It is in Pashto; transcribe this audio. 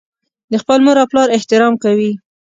د خپل مور او پلار احترام کوي.